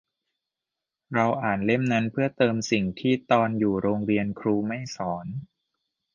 เราอ่านเล่มนั้นเพื่อเติมสิ่งที่ตอนอยู่โรงเรียนครูไม่สอน